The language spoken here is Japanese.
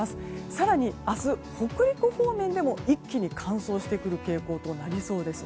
更に明日、北陸方面でも一気に乾燥してくる傾向となりそうです。